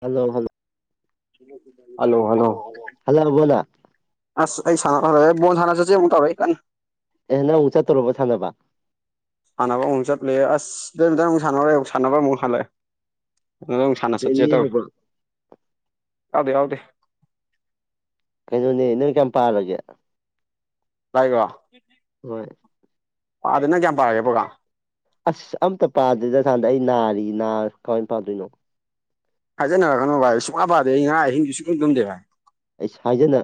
Hello hello hello hello ꯍꯜꯂꯛꯑꯕꯣ ꯅꯪ ꯑꯁ ꯑꯩ ꯁꯥꯟꯅ ꯈꯪꯗꯉꯩ ꯕꫭꯟ ꯁꯥꯟꯅ ꯆꯠꯆꯦ ꯃꯨꯛ ꯇꯧꯔꯛꯏ ꯀꯟꯅ ꯑꯦ ꯅꯪ ꯑꯃꯨꯛ ꯆꯠꯇꫭꯔꯕꫭ ꯁꯥꯟꯅꯕ ꯁꯥꯟꯅꯕ ꯑꯃꯃꯨꯛ ꯆꯠꯂꯦ ꯑꯁ ꯗꯝꯇꯪꯨꯛ ꯁꯥꯟꯔꯨꯛ ꯁꯥꯟꯅꯕ ꯑꯃꯨꯛ ꯍꯜꯛꯑꯦ ꯑꯗꯨꯗꯃꯨꯛ ꯁꯥꯟꯅ ꯆꯠꯀꯩ ꯅꯤ ꯇꯧꯔꯤ ꯌꯥꯎꯕ꯭ꯔꯣ ꯌꯥꯎꯗꯦ ꯌꯥꯎꯗꯦ ꯀꯩꯅꯣꯅꯦ ꯅ‌ꯣꯏ ꯀꯌꯥꯝ ꯄꯥꯔꯒꯦ ꯇꯥꯒ‌ꯦꯔ‌ꯣ ꯍꯣꯏ ꯄꯥꯗ‌ꯦꯗ ꯅꯪ ꯀꯌꯥꯝ ꯄꯥꯔꯒꯦ ꯄ‌ꯣꯔꯒꯔꯝ ꯑꯁ ꯑꯝꯇ ꯄꯥꯗ‌ꯦꯗ ꯁꯥꯟꯇꯥ ꯑꯩ ꯅꯥꯔꯤꯌ‌ꯦ ꯅꯥꯔ ꯀꯃꯥꯏꯅ ꯄꯥꯗꯣꯏꯅꯣ ꯍꯥꯏꯖꯟꯅꯔꯛꯀꯅ‌ꯣ ꯚꯥꯏ ꯁꯨꯡꯄ ꯄꯥꯗ‌ꯦ ꯑꯩ ꯉꯔꯥꯡ ꯑꯍꯤꯡꯁꯨ ꯁꯨꯛꯇꯨꯝ ꯇꯨꯝꯗꯦ‌ ꯚꯥꯏ ꯏꯁ ꯍꯥꯏꯖꯤꯟꯅ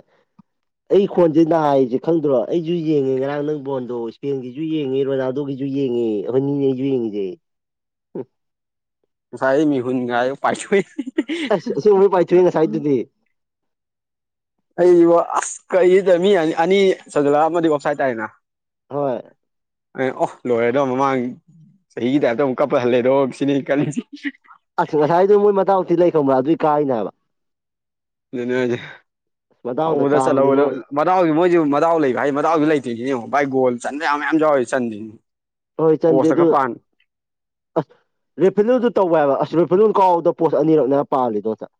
ꯑꯩ ꯈꯣꯟꯁꯦ ꯅꯥꯏꯁꯦ ꯈꯪꯗ꯭ꯔꯣ ꯑꯩꯁꯨ ꯌꯦꯡꯉꯦ ꯉꯔꯥꯡ ꯅꯪ ꯕꯣꯟꯗꯣ ꯏꯁꯄꯦꯟꯒꯤ ꯁꯨ ꯌꯦꯡꯉꯤ ꯔꯣꯅꯥꯜꯗꯣꯒꯤꯁꯨ ꯌꯦꯡꯉꯤ ꯑꯩꯈ‌ꯣꯏꯅꯤꯅꯦ ꯑꯩꯁꯨ ꯌꯦꯡꯉꯤꯁꯦ ꯉꯁꯥꯏꯗꯩ ꯃꯤꯍꯨꯟꯒꯁ‌ꯦ ꯄꯥꯏꯊ‌ꯣꯛ ꯑꯁ ꯑꯁ‌ꯦꯡꯕꯩ ꯄꯥꯏꯊꯣꯛꯏ ꯉꯁꯥꯏꯗꯨꯗꯤ ꯑꯩꯕꯨ ꯑꯁ ꯀꯔꯤꯅ‌ꯣ ꯇꯧꯔꯤꯁ‌ꯦ ꯃꯤꯅ ꯑꯅꯤ ꯆꯟꯁꯟꯂꯛ ꯑꯝꯃꯗꯤ ‌ꯑꯣꯞꯁꯥꯏ ꯇꯥꯥꯏꯗꯅ ꯍꯣꯏ ꯑꯦ ꯑꯣ ꯂꯣꯏꯔꯦꯗꯣ ꯃꯃꯥꯡ ꯆꯍꯤꯒꯤ ꯇꯥꯏꯞꯇ ꯑꯃꯨꯛ ꯀꯞꯄ ꯍꯜꯂꯦꯗꯣ ꯁꯤꯅꯤ ꯑꯩ ꯈꯜꯂꯤꯁꯤ ꯑꯁ ꯉꯁꯥꯏꯗꯨ ꯃꯣꯏ ꯃꯗꯥꯎ ꯊꯤ ꯂꯩ ꯈꯪꯕ꯭ꯔꯥ ꯑꯗꯨꯏ ꯀꯥꯏꯅꯦ ꯍꯥꯏꯕ ꯑꯗꯨꯅ‌ꯦ ꯍꯥꯏꯗꯤ ꯃꯇꯥꯎꯗ ꯍꯧꯕꯗ ꯀꯥꯕꯅꯤꯉꯣ ꯆꯠꯍꯧꯒꯗꯕ ꯃꯗꯥꯎꯗꯤ ꯃꯣꯏꯁꯨ ꯃꯗꯥꯎ ꯂꯩꯕ ꯍꯥꯏꯁ‌ꯦ ꯃꯗꯥꯎꯁꯨ ꯂꯩꯇꯔꯤꯁꯤꯅꯦ ꯌ‌ꯦꯡꯉꯨ ꯚꯥꯏ ꯒꯣꯜ ꯆꯟꯕ ꯌꯥꯕ ꯃꯌꯥꯝ ꯌꯥꯎꯔꯤ ꯆꯟꯗꯔꯤꯁꯤꯅꯤ ꯍꯣꯏ ꯆꯟꯗꯦ ꯑꯗꯨ ꯑꯁ ꯔꯤꯐꯤꯜꯗꯨ ꯇꯧꯌ‌ꯦ ꯍꯥꯏꯕ ꯑꯁ ꯔꯤꯐꯤꯂꯜ ꯀꯥꯎꯕꯗ ꯄꯣꯠ ꯑꯅꯤꯔꯛꯅꯦ ꯍꯥꯏꯕ ꯄꯥꯜꯂꯤꯗꯣ ꯉꯁꯥꯏ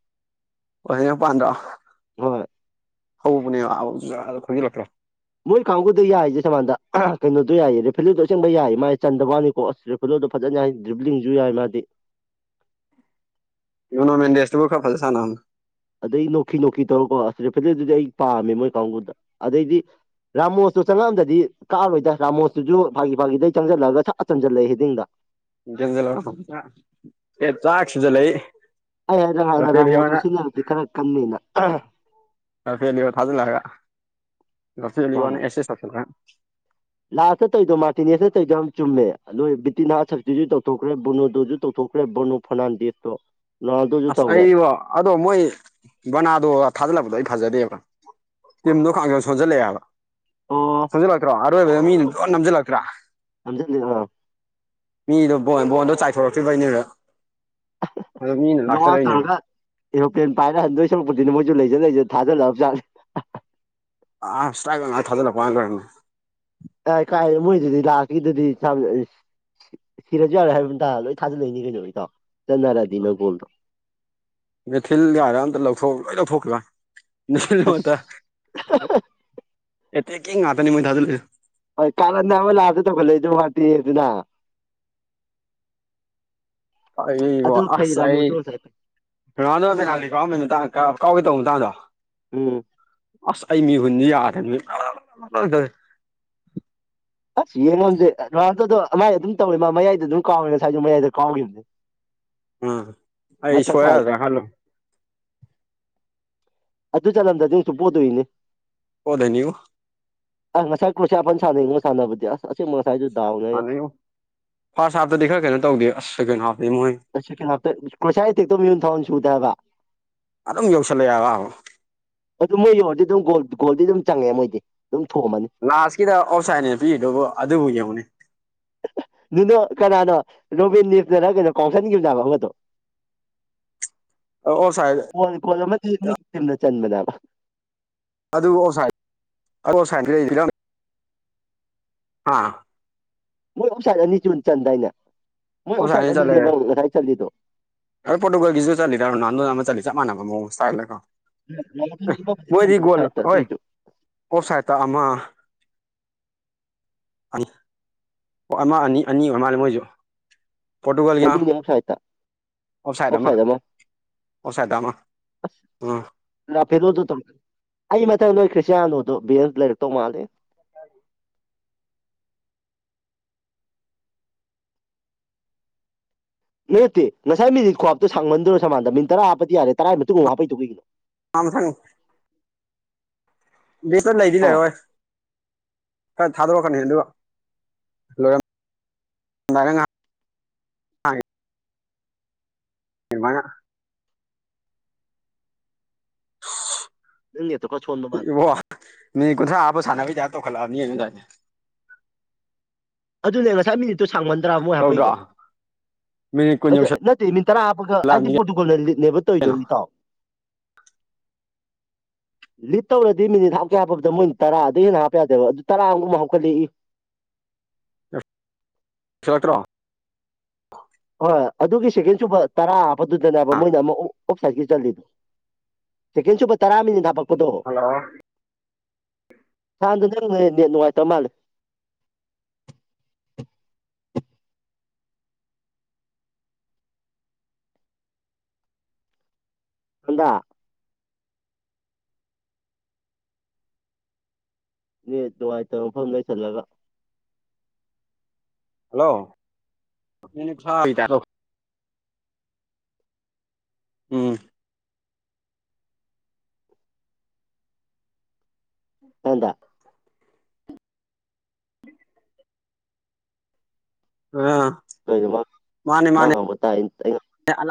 ꯍꯣꯏ [unintelligible] ꯃꯣꯏ ꯀꯥꯡꯕꯨꯨꯗ ꯌꯥꯏꯁꯦ ꯁꯃꯥꯟꯗ ꯀꯩꯅꯣꯗꯣ ꯌꯥꯏꯌꯦ ꯔꯦꯐꯦꯂꯤꯗꯣ ꯑꯁꯦꯡꯕ ꯌꯥꯏꯌꯦ ꯃꯥꯗꯤ ꯆꯟꯗꯕꯒꯤ ꯋꯥꯅ‌ꯦꯀꯣ ꯑꯁ ꯐꯂꯣꯗꯣ ꯐꯖꯅ ꯌꯥꯏ ꯗ꯭ꯔꯤꯕ꯭ꯂꯤꯡꯁꯨ ꯌꯥꯏ ꯃꯥꯗꯤ ꯔꯃꯥꯟꯅꯟꯗ ꯃ‌ꯦꯁ ꯇꯨꯒ ꯈꯔ ꯐꯖꯅ ꯁꯥꯟꯅ ꯍꯜꯂꯨ ꯑꯗꯩ ꯅꯣꯛꯀꯤ ꯅꯣꯛꯀꯤ ꯇꯧꯔꯀꯣ ꯑꯁ ꯔꯦꯄꯦꯗꯨꯗꯤ ꯑꯩ ꯄꯥꯝꯃꯦ ꯃꯣꯏ ꯀꯥꯡꯕꯨꯗ ꯑꯗꯩꯗꯤ ꯔꯥꯃꯣꯁꯇꯣ ꯆꯪꯉꯛꯑꯝꯗꯗꯤ ꯀꯥꯔꯣꯏꯗ ꯔꯥꯃꯣꯁꯇꯨꯁꯨ ꯐꯥꯒꯤ ꯐꯥꯒꯤꯗꯩ ꯆꯪꯁꯤꯜꯂꯒ ꯁꯠ ꯆꯟꯁꯤꯜꯂꯛꯑꯦ ꯍ‌ꯦꯗꯤꯡ [unintelligible] ꯑꯩ ꯍꯟꯗꯛ ꯍꯥꯏꯗꯔ ꯔꯥꯃꯣꯇ ꯔꯐꯦꯂꯤꯌꯣꯅ ꯁꯤꯖꯤꯟꯅꯔꯗꯤ ꯈꯔ ꯀꯟꯅꯤꯅ ꯂꯐꯤꯂꯤꯌ‌ꯣ ꯊꯥꯖꯤꯜꯂꯛꯑꯒ ꯍꯣꯏ ꯂꯐꯤꯂꯤꯌ‌ꯣꯅ ꯑꯦꯁꯦꯁ ꯂꯥꯁꯇ ꯇꯧꯗꯣ ꯃꯥꯔꯇꯤꯅꯦꯁꯅ ꯇꯧꯗꯣ ꯌꯥꯝ ꯆꯨꯝꯃꯦ ꯅ‌ꯣꯏ ꯕꯤꯇꯤꯅꯥ ꯁꯛꯇꯤꯁꯨ ꯇꯧꯊꯣꯛꯈ꯭ꯔꯦ ꯕꯣꯅꯣꯁꯨ ꯇꯧꯊꯣꯛꯈ꯭ꯔꯦ ꯕꯣꯅꯣ ꯐꯅꯟꯗ‌ꯦꯠꯇꯣ ꯑꯁ ꯑꯩꯕꯣ ꯑꯗꯣ ꯃꯣꯏ ꯕꯅꯥꯗꯣꯒ ꯊꯥꯖꯤꯜꯂꯛꯄꯗꯣ ꯑꯩ ꯐꯖꯗꯦꯕ ꯇꯤꯝꯗꯣ ꯈꯥꯡꯁ‌ꯣꯟ ꯁꯣꯟꯖꯤꯜꯂꯛꯑꯦꯕ ꯑꯣ ꯅꯝꯁꯤꯜꯂꯛꯇ꯭ꯔ ꯑꯔ‌ꯣꯏꯕꯗ ꯃꯤꯅ ꯂꯣꯏꯅ ꯅꯝꯁꯤꯜꯂꯛꯇ꯭ꯔꯥ ꯅꯝꯁꯤꯜꯖꯤꯔ‌ꯣ ꯃꯤꯗꯣ ꯕꯣꯟ ꯕ‌ꯣꯟꯗꯣ ꯆꯥꯏꯊꯣꯔꯛꯇ꯭ꯔꯤꯕꯩꯅ‌ꯦꯕ ꯑꯗꯨ ꯃꯤꯅ ꯂ‌ꯣꯛ ꯑꯥꯠ ꯂꯥꯛꯆꯔꯛꯏꯅꯦꯕ ꯇꯧꯔꯒ ꯑꯦꯔꯣꯄ꯭ꯂꯦꯟ ꯄꯥꯏꯔ ꯍꯟꯗꯣꯏ ꯁꯔꯨꯛꯄꯗꯤꯅ ꯃꯣꯏꯁꯨ ꯂꯩꯖ ꯂꯩꯖ ꯊꯥꯖꯤꯜꯂꯛꯑꯕ ꯖꯠꯅ‌ꯦ ꯑꯁ ꯏꯁꯇꯥꯔꯞꯄꯔ ꯉꯥꯛꯇ ꯊꯖꯤꯟꯂꯛꯄꯩ ꯋꯥꯅꯤ ꯀꯥꯏ ꯀꯥꯏ ꯃꯣꯏꯗꯨꯗꯤ ꯂꯥꯁꯀꯤꯗꯨꯗꯤ ꯁꯤꯔꯁꯨ ꯌꯥꯔꯦ ꯍꯥꯏꯕꯒꯤ ꯃꯇꯥꯒꯨꯝ ꯂꯣꯏ ꯊꯥꯖꯜꯂꯛꯏꯅ‌ꯦ ꯀꯩꯅꯣ ꯏꯇꯥꯎ ꯆꯠꯅꯔꯗꯤꯅ ꯒꯣꯜꯗꯣ ꯃ‌ꯦꯊꯤꯜ ꯀꯥꯏꯅ ꯑꯝꯇ ꯂꯧꯊꯣꯛ ꯂꯣꯏ ꯑꯁ ꯂꯧꯊꯣꯛꯈꯤꯕꯩ [unintelligible] ꯑꯦꯠꯇ‌ꯦꯛꯀꯤꯡ ꯉꯥꯛꯇꯅ‌ꯦ ꯃꯣꯏ ꯊꯖꯜꯂꯛꯏꯗ‌ꯣ ꯍꯣꯏ ꯀꯥꯔꯟꯅ‌ꯦꯕ ꯂꯥꯁꯇ ꯇꯧꯈꯠꯂꯛꯏꯗ‌ꯣ ꯃꯥꯔꯇꯦ ꯗꯨꯅ ꯑꯗꯨ ꯑꯩꯕ‌ꯨ ꯐꯩ ꯑꯁ ꯑꯩ ꯔꯥꯃꯣꯁꯇꯣ ꯉꯁꯥꯏ ꯐꯩ ꯔ‌ꯣꯅꯥꯜꯗ‌ꯣꯅ ꯄ‌ꯦꯅꯥꯜꯇꯤ ꯀꯥꯎ ꯀꯥꯎꯒꯦ ꯇꯧꯕ ꯃꯇꯥꯡꯗꯣ ꯎꯝ ꯑꯁ ꯑꯩ ꯃꯤꯍꯨꯟꯁ‌ꯦ ꯌꯥꯗꯕ ꯃꯤ ꯑꯁ ꯌꯦꯡꯉꯣꯗꯤ ꯔ‌ꯣꯅꯥꯜꯗ‌ꯣ ꯗ‌ꯣ ꯃꯥꯏ ꯑꯗꯨꯝ ꯇꯧꯋꯦ ꯃꯥ ꯃꯌꯥꯏꯗ ꯑꯗꯨꯝ ꯀꯥꯎꯋꯦ ꯉꯁꯥꯏꯁꯨ ꯃꯌꯥꯏꯗ ꯀꯥꯎꯈꯤꯕꯅꯦ ꯑꯥ ꯑꯩ ꯃꯊꯛ ꯋꯥꯏꯗ ꯁꯣꯏꯔꯛꯑꯗꯔ ꯈꯟꯂꯨꯏ ꯑꯗꯨ ꯆꯟꯂꯝꯗꯔꯗꯤ ꯗꯨꯝ ꯄꯣꯗ‌ꯣꯏꯅꯦ ꯄ‌ꯣꯗ‌ꯣꯏꯅꯤꯕ‌ꯣ ꯑꯁ ꯉꯁꯥꯏ ꯀ꯭ꯔꯣꯁꯥꯋꯥ ꯐꯥꯟ ꯁꯥꯟꯅꯩꯕꯣ ꯁꯥꯟꯅꯕꯗꯤ ꯑꯁ ꯑꯁꯦꯡꯕ ꯉꯁꯥꯏꯗꯨ ꯗꯥꯎꯅꯦ ꯍꯥꯟꯅꯩꯉꯣ ꯐꯥꯔꯁ ꯍꯥꯞꯇꯗꯤ ꯈꯔ ꯀꯩꯅꯣ ꯇꯧꯗꯦꯁ ꯁꯦꯀꯦꯟ ꯍꯥꯞꯇꯤ ꯃꯣꯏ ꯁꯦꯀꯦꯟ ꯍꯥꯞꯇꯣ ꯀꯔꯣꯁꯤꯋꯥ ꯀꯤꯛꯇꯣ ꯃꯤꯍꯨꯟ ꯁꯨꯗꯦ ꯍꯥꯢꯕ ꯑꯗꯨꯝ ꯌꯧꯁꯜꯂꯛꯑꯦꯕ ꯑꯗꯨ ꯃꯣꯏ ꯌꯧꯔꯗꯤ ꯑꯗꯨꯝ ꯒꯣꯜꯗꯤ ꯑꯗꯨꯝ ꯆꯪꯉꯦ ꯃꯣꯏꯗꯤ ꯑꯗꯨꯝ ꯊꯣꯝꯃꯅꯤ ꯂꯥꯁꯀꯤꯗ ꯑꯣꯞꯁꯥꯏꯟꯅꯦ ꯄꯤꯔꯤꯗꯨꯕꯨ ꯑꯗꯨꯕꯨ ꯌꯦꯡꯉꯨꯅꯦ ꯀꯅꯥꯅꯣ ꯔꯣꯕꯤꯟ ꯅꯤꯞꯇꯅ ꯀꯩꯅꯣ ꯀꯥꯎꯁꯟꯈꯤꯕꯗꯣ ꯑꯃꯗꯣ [unintelligible] ꯅꯣꯡ ꯈꯣꯡꯉꯒꯗꯤ ꯆ ꯃꯅꯥꯕ [inaudible] ꯑꯗꯨ ꯑꯗꯨꯥꯏ ꯂꯩ ꯑꯥ [inaudible] ꯃꯣꯏ ꯑꯣꯞꯁꯥꯜ ꯑꯅꯤ ꯆꯨꯗꯥꯢꯅꯦ ꯑꯣꯞꯁꯥꯏꯟ ꯑꯅꯤ ꯆꯥꯜꯂꯦ ꯆꯜꯂꯤꯗꯣ ꯐꯣꯒꯣꯒꯤꯁꯨ ꯆꯜꯂꯤꯗ ꯆꯥꯞ ꯃꯟꯅꯕ ꯃꯑꯣꯡꯗ ꯢꯇꯥꯜꯗ ꯁꯥꯥꯏꯔ ꯑꯗꯨꯔꯤꯖꯨ [inaudible] ꯑꯣꯁꯥꯏꯇꯥ ꯑꯃ ꯑꯣ ꯑꯃ ꯑꯅꯤ ꯑꯅꯤ ꯑꯣꯏ ꯃꯥꯜꯂꯦ ꯃꯣꯏꯁꯨ ꯑꯅꯤꯅꯦ ꯑꯣꯞꯁꯥꯢꯟꯇ ꯑꯣꯐ ꯁꯥꯏꯠ ꯑꯃ ꯑꯣꯐ ꯁꯥꯏꯗ ꯇ ꯑꯃ ꯔꯥꯐꯦꯂꯣꯗ ꯇ ꯑꯩ ꯃꯊꯪ ꯅꯣꯏ ꯈ꯭ꯔꯤꯁꯇ꯭ꯌꯥꯅꯣꯗꯣ ꯚꯦꯟꯁ ꯂꯩꯔꯛꯇꯧ ꯃꯥꯂꯦ [inaudible] ꯅꯠꯇꯦ ꯉꯁꯥꯏ ꯃꯤꯅꯠ ꯈꯨꯍꯥꯞꯇꯨ ꯁꯥꯡꯃꯟꯗꯔꯣ ꯁꯃꯥꯟꯗꯔꯣ ꯃꯤꯅꯠ ꯇꯔꯥ ꯍꯥꯞꯄꯗꯤ ꯌꯥꯔꯦ ꯇꯔꯥꯏ ꯃꯇꯨꯡ ꯑꯃꯨ ꯍꯥꯞꯄꯛꯏꯗꯣ ꯀꯩꯒꯤꯅꯣ ꯃꯥ ꯃꯊꯪ ꯂꯤꯞꯇꯥ ꯂꯩꯗꯤ ꯍꯥ ꯂꯔꯔꯣꯏ ꯈꯔ ꯊꯥꯗꯣꯔꯛꯀꯅꯤ ꯑꯗꯨ ꯂꯣꯏꯔꯝꯗꯥꯏ ꯉꯥꯏꯍꯥꯛ [inaudible] ꯃꯥꯏꯅ ꯅꯪ ꯅꯦꯠꯇꯣ ꯈꯔ ꯁꯣꯟ ꯏꯕꯣ ꯃꯤꯅꯤꯠ ꯀꯨꯟꯊ꯭ꯔꯥ ꯍꯥꯞꯄ ꯁꯥꯟꯅꯕꯩ ꯇꯥꯏꯞ ꯇꯧꯈꯠꯂꯛꯑꯕꯅꯤ ꯀꯩꯅꯣ ꯉꯁꯥꯏ ꯑꯗꯨꯅꯦ ꯉꯁꯥꯏ ꯃꯤꯅꯤꯠꯇꯨ ꯁꯥꯡꯃꯟꯗ꯭ꯔꯥ ꯃꯣꯏꯅ ꯇꯧꯗ꯭ꯔꯣ ꯍꯥꯞꯄꯛꯏꯗꯣ ꯃꯤꯅꯤꯠ ꯀꯨꯟ ꯑꯗꯨ ꯅꯠꯇꯦ ꯃꯤꯠ ꯇꯔꯥ ꯍꯥꯞꯄꯒ ꯑꯩꯗꯤ ꯌꯧꯁꯜꯂꯛꯑꯕꯅꯤ ꯄꯣꯗꯨꯒꯣꯜꯅ ꯂꯤꯠꯅꯦꯕ ꯇꯧꯔꯤꯗꯣ ꯀꯩꯅꯣ ꯏꯇꯥꯎ [unintelligible] ꯂꯤꯠ ꯇꯧꯔꯗꯤ ꯃꯤꯅꯤꯠ ꯍꯥꯞꯄꯀꯦ ꯍꯥꯞꯄꯕꯗ ꯃꯣꯏꯅ ꯇꯔꯥꯗ ꯍꯦꯟꯅ ꯍꯥꯞꯄ ꯌꯥꯗꯦꯕ ꯑꯗꯨ ꯇꯔꯥ ꯑꯃꯨꯨꯝ ꯑꯃ ꯍꯥꯞꯀꯠꯂꯛꯏ ꯁꯇ꯭ꯔꯣ [inaudible] ꯍꯣꯏ ꯑꯗꯨꯒꯤ ꯁꯦꯀꯦꯟ ꯁꯨꯕ ꯇꯔꯥ ꯍꯥꯞꯄꯗꯨꯗꯅꯦꯕ ꯃꯣꯏꯅ ꯑꯃꯨꯛ ꯑꯣꯞꯁꯥꯏꯗꯀꯤ ꯆꯜꯂꯤꯗꯣ ꯁꯦꯀꯦꯟ ꯁꯨꯕ ꯇꯔꯥ ꯃꯤꯅꯤꯠ ꯍꯥꯄꯛꯄꯗꯣ ꯍꯜꯂꯣ ꯍꯥꯟꯗ ꯅꯪ ꯅꯨꯡꯉꯥꯏꯇ ꯃꯥꯜꯂꯦ ꯍꯗ [inaudible] ꯅꯦꯠ ꯅꯨꯡꯉꯥꯏꯇꯕ ꯃꯐꯝ ꯂꯩꯁꯜꯂꯒ ꯍꯜꯂꯣ [inaudible] ꯎꯝ ꯍꯗ [inaudible] ꯑꯥ ꯀꯩꯅꯣ ꯃꯥꯅꯦ ꯃꯥꯅ ꯃꯥꯅꯦ ꯉꯥꯡꯕ ꯇꯥꯏ ꯑꯩꯅ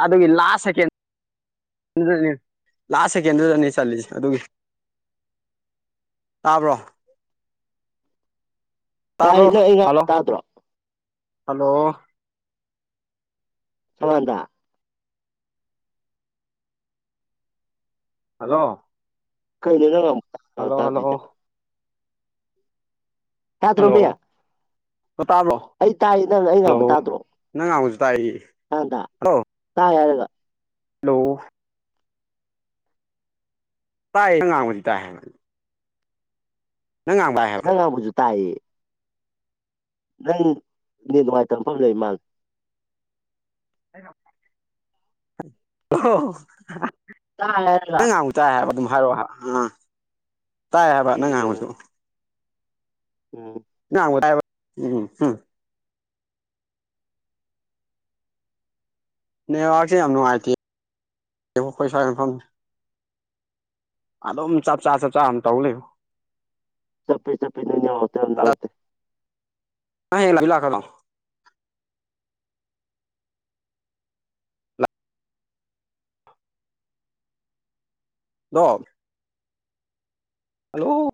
ꯑꯗꯨꯒꯤ ꯂꯥꯁ ꯁꯦꯀꯦꯟ [inaudible] ꯑꯗꯨꯅꯤ ꯂꯥꯁ ꯁꯦꯀꯦꯟꯗꯨꯗꯅꯦ ꯆꯜꯂꯤꯁꯦ ꯑꯗꯨꯒꯤ ꯇꯥꯕ꯭ꯔꯣ ꯇꯥꯏ ꯇꯥꯕ꯭ꯔꯣ ꯅꯪ ꯑꯩ ꯉꯥꯡꯕ ꯍꯜꯂꯣ ꯇꯥꯗ꯭ꯔꯣ ꯍꯜꯂꯣ ꯁꯃꯥꯟꯗ ꯍꯜꯂꯣ ꯀꯩ ꯂꯩꯅꯣ [inaudible] ꯍꯜꯂꯣ ꯍꯜꯂꯣ ꯇꯥꯗ꯭ꯔꯣ ꯃꯤ ꯍꯜꯂꯣ ꯍꯣ ꯇꯥꯕ꯭ꯔꯣ ꯑꯩ ꯇꯥꯏ ꯅꯪ ꯑꯩꯅ ꯍꯜꯂꯣ ꯉꯥꯡꯕ ꯇꯥꯗ꯭ꯔꯣ ꯅꯪ ꯉꯥꯡꯕꯁꯨ ꯇꯥꯏꯌꯦ ꯁꯃꯥꯟꯗ ꯇꯥꯏ ꯍꯥꯏꯔꯒ ꯂꯣ ꯇꯥꯏꯌꯦ ꯅꯪꯅ ꯉꯥꯡꯕꯗꯤ ꯇꯥꯏ ꯍꯥꯏꯕ ꯅꯪ ꯉꯥꯡꯕ ꯇꯥꯏ ꯅꯪ ꯉꯥꯡꯕꯁꯨꯨ ꯇꯥꯏꯌꯦ꯫ ꯅꯪ ꯅꯦꯇ ꯅꯨꯡꯉꯥꯏꯇ ꯃꯐꯝꯗ ꯂꯩꯃꯥꯜꯂꯦ꯫ [unintelligible] ꯍꯣ ꯇꯥꯏ ꯍꯥꯏꯔꯒ ꯇꯥꯏ ꯍꯥꯏꯕ ꯑꯗꯨꯝ ꯍꯥꯏꯔꯛꯑꯣ ꯑ ꯇꯥꯏ ꯍꯥꯏꯕ ꯁꯤ ꯅꯪ ꯉꯥꯡꯕꯁꯨ ꯑꯣ ꯅꯪ ꯉꯥꯡꯕ ꯇꯥꯏꯌꯦꯕ ꯅꯦꯠꯋꯥꯔꯛꯁꯦ ꯌꯥꯝ ꯅꯨꯡꯉꯥꯏꯇꯦ ꯑꯩꯈꯣꯏ ꯁ꯭ꯋꯥꯏ ꯃꯐꯝꯁꯦ꯫ ꯑꯗꯨꯝ ꯆꯞ ꯆꯥ ꯆꯞ ꯆꯥ ꯑꯗꯨꯝ ꯇꯧ ꯂꯩ꯫ ꯆꯞꯄꯤ ꯆꯞꯄꯤ ꯅꯩ ꯅꯦꯠꯋꯥꯛꯇꯨ ꯌꯥꯝ ꯅꯨꯡꯉꯥꯏꯇꯦ꯫ ꯅꯪ ꯍꯌꯦꯡ ꯂꯥꯛꯇꯤ ꯂꯥꯛꯀꯗ꯭ꯔꯣ? ꯗꯣꯕ ꯍꯜꯂꯣ